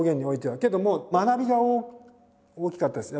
けども学びが大きかったですね。